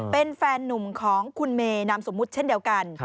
เป็นแฟนนุ่มของคุณเมนามสมมุติเช่นเดียวกัน